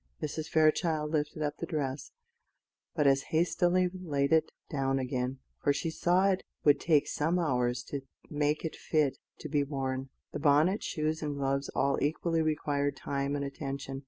Mrs. Fairchild lifted up the dress, but as hastily laid it down again, for she saw it would take some hours to make it fit to be worn. The bonnet, shoes, and gloves all equally required time and attention.